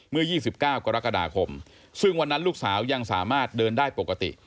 เมื่อ๒๙กรกฎาคมซึ่งวันนั้นลูกสาวยังสามารถเดินได้ปกติ